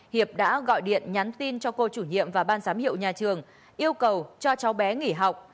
hiệp đã gọi điện nhắn tin cho cô chủ nhiệm và ban giám hiệu nhà trường yêu cầu cho cháu bé nghỉ học